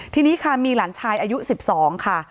ทีนี้ค่ะมีหลานชายอายุ๑๒ค่ะ